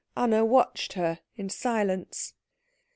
Anna watched her in silence.